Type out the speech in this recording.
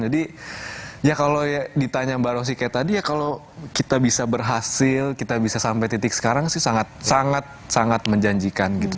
jadi ya kalau ditanya mbak rosy kayak tadi ya kalau kita bisa berhasil kita bisa sampai titik sekarang sih sangat sangat menjanjikan gitu